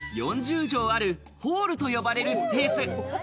こちらは４０畳あるホールと呼ばれるスペース。